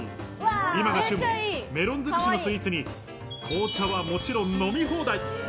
今が旬メロンづくしのスイーツに紅茶はもちろん飲み放題。